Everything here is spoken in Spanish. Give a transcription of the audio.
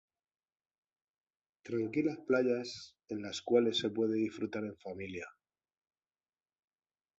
Tranquilas playas en las cuales se puede disfrutar en familia.